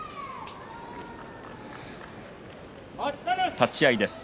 立ち合いです。